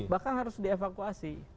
bahkan harus dievakuasi